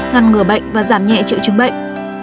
ngăn ngừa bệnh và giảm nhẹ triệu chứng bệnh